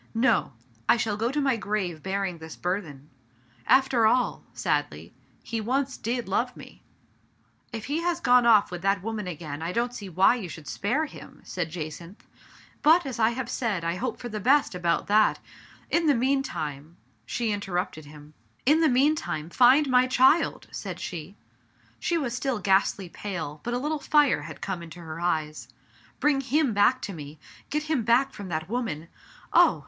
No ! I shall go to my grave bearing this burthen. After all" — sadly —" he once did love me !"" If he has gone ofif with that woman again I don't see why you should spare him," said Ja cynth. " But, as I have said, I hope for the best about that. In the meantime " She interrupted him. Digitized by Google 1 88 THE FATE OF FENELLA. "In the meantime, find my child !" said she. She was still ghastly pale, but a little fire had come into her eyes. " Bring him back to me, get him back from that woman. Oh!